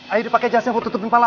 air dipake jasnya bu tutupin palak